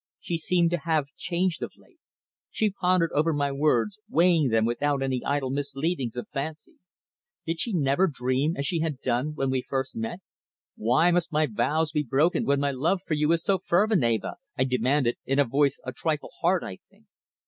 She seemed to have changed of late. She pondered over my words, weighing them without any idle misleadings of fancy. Did she never dream as she had done when we first met? "Why must my vows be broken when my love for you is so fervent, Eva?" I demanded, in a voice a trifle hard, I think.